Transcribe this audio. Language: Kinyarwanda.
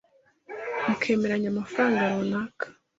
mukemeranya amafaranga runaka